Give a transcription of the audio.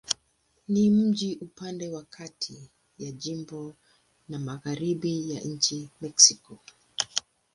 Ni mji upande wa kati ya jimbo na magharibi ya nchi Mexiko.